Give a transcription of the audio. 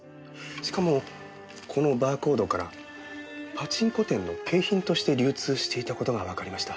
しかもこのバーコードからパチンコ店の景品として流通していた事がわかりました。